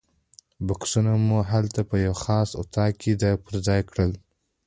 بکسونه مو هلته په یوه خاص اتاق کې ځای پر ځای کړل.